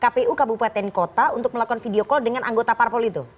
kpu kabupaten kota untuk melakukan video call dengan anggota parpol itu